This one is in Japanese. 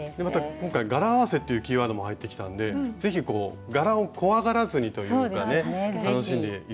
今回柄合わせというキーワードも入ってきたんで是非柄を怖がらずにというかね楽しんで頂きたいですよね。